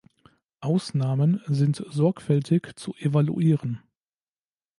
Ausnahmen sind sorgfältig zu evaluieren.